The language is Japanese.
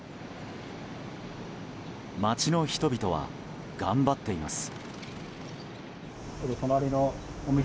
街の人々は頑張っています。